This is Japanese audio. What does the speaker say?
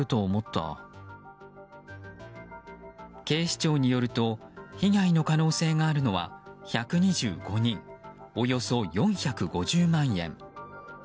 警視庁によると被害の可能性があるのは１２５人およそ４５０万円。